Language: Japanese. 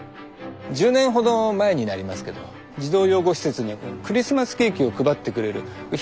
１０年ほど前になりますけど児童養護施設にクリスマスケーキを配ってくれるヒーローがいたんですよ。